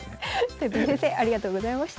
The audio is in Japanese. とよぴー先生ありがとうございました。